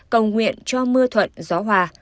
cầu nguyện cho mưa thuận gió hoa